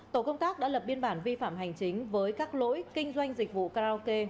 tổ công tác đã lập biên bản vi phạm hành chính với các lỗi kinh doanh dịch vụ karaoke